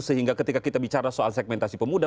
sehingga ketika kita bicara soal segmentasi pemuda